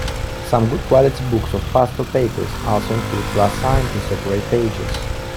Some good quality books of pastel papers also include glassine to separate pages.